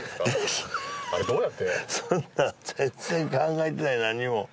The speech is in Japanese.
そんな全然考えてないなんにも。